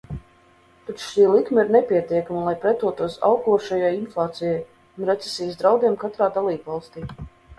Taču šī likme ir nepietiekama, lai pretotos augošajai inflācijai un recesijas draudiem katrā dalībvalstī.